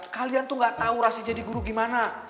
kalian tuh nggak tahu rahasia jadi guru gimana